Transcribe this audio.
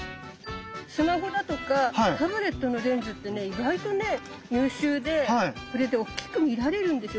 スマホだとかタブレットのレンズってね意外とね優秀でこれでおっきく見られるんですよ。